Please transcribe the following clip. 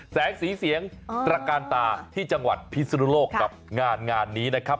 แสงสีเสียงตระการตาที่จังหวัดพิศนุโลกกับงานงานนี้นะครับ